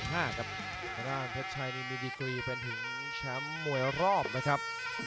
ทางด้านเพชรชัยนี่มีดีกรีเป็นถึงแชมป์มวยรอบนะครับ